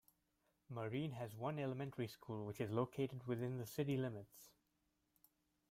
Marine has one elementary school which is located within the city limits.